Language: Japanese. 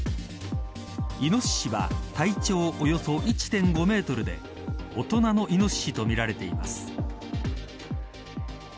イノシシは体長およそ１．５メートルで大人のイノシシとみられています。